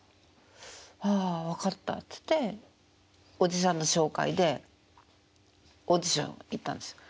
「ああ分かった」っつっておじさんの紹介でオーディション行ったんですよ。